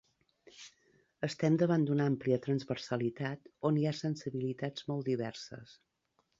Estem davant d’una àmplia transversalitat, on hi ha sensibilitats molt diverses.